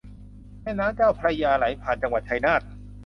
แม่น้ำเจ้าพระยาไหลผ่านจังหวัดชัยนาท